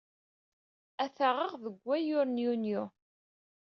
Ad t-aɣeɣ deg wayyur n Yunyu.